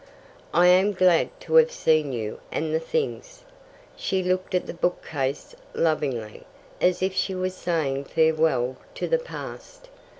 "I am glad to have seen you and the things." She looked at the bookcase lovingly, as if she was saying farewell to the past.